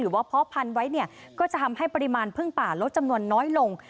เพาะพันธุ์ไว้เนี่ยก็จะทำให้ปริมาณพึ่งป่าลดจำนวนน้อยลง